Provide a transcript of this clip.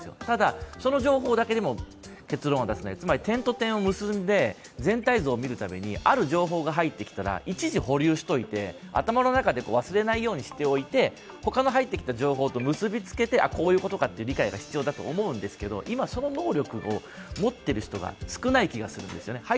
ただ、その情報だけでも結論は出せない、つまり点と点を結んで全体像を見るときにある情報が入ってきたら一時保留しておいて頭の中で忘れないようにしておいて、他の入ってきた情報と結びつけて、こういうことかという理解が必要だと思うんですけど今その能力を持っている人が少ない気がするんですよね。